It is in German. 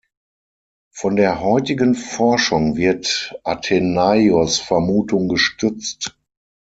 Von der heutigen Forschung wird Athenaios' Vermutung gestützt.